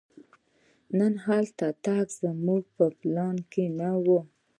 نن هلته تګ زموږ په پلان کې نه و.